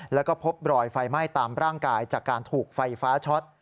แล้วก็พบรอยไฟไหม้ตามร่างกายจากการถูกไฟฟ้าช็อต